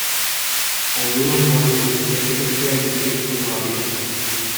Algunos modos eclesiásticos se pueden distinguir por su ámbito.